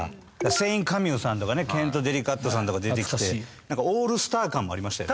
セイン・カミュさんとかねケント・デリカットさんとか出てきてオールスター感もありましたよね。